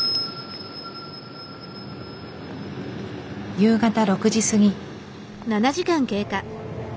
夕方６時過ぎ。